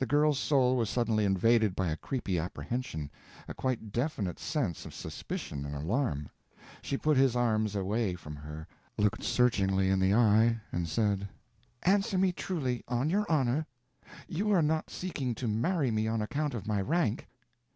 The girl's soul was suddenly invaded by a creepy apprehension, a quite definite sense of suspicion and alarm. She put his arms away from her, looked him searchingly in the eye, and said: "Answer me truly, on your honor. You are not seeking to marry me on account of my _rank?